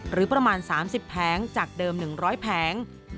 หรือประมาณ๓๐แผงจากเดิม๑๐๐แผง